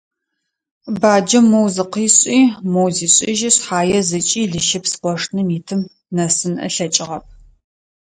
Баджэм моу зыкъишӀи, моу зишӀыжьи шъхьае, зыкӀи лыщыпс къошыным итым нэсын ылъэкӀыгъэп.